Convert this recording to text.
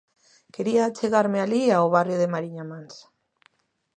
Quería achegarme alí, ao barrio de Mariñamansa.